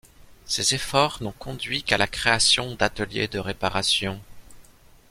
Ces efforts n'ont conduit qu'à la création d'ateliers de réparation.